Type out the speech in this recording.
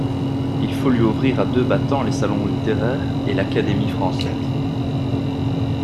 Il faut lui ouvrir à deux battants les salons littéraires et l'Académie française.